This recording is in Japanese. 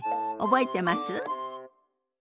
覚えてます？